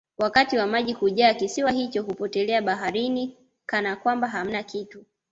wakati wa maji kujaa kisiwa hicho hupotelea baharini Kana kwamba hamna kitu